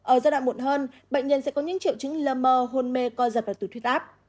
ở giai đoạn muộn hơn bệnh nhân sẽ có những triệu chứng lờ mờ hôn mê coi dập vào tủ thuyết áp